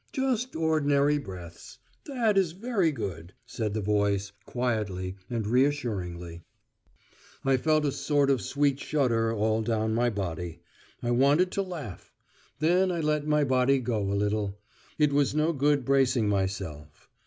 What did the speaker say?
"Just ordinary breaths. That is very good," said the voice, quietly and reassuringly. I felt a sort of sweet shudder all down my body. I wanted to laugh. Then I let my body go a little. It was no good bracing myself....